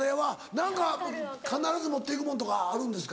何か必ず持っていくもんとかあるんですか？